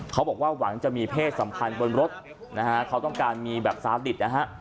เขาบอกว่าหวังจะมีเพศสัมพันธ์บนรถนะฮะเขาต้องการมีแบบซาดิตนะฮะ